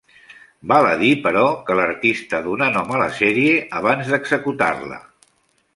Val a dir, però, que l'artista donà nom a la sèrie abans d'executar-la.